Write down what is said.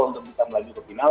untuk bisa melaju ke final